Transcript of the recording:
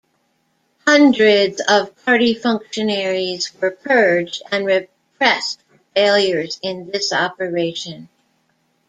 Hundreds of party functionaries were purged and repressed for failures in this operation.